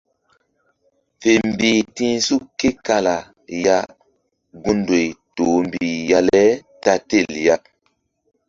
Fe mbih ti̧h suk ke kala ya gundoy toh mbih ya le ta tel ya.